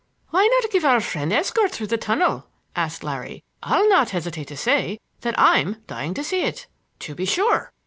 "Why not give our friend escort through the tunnel?" asked Larry. "I'll not hesitate to say that I'm dying to see it." "To be sure!"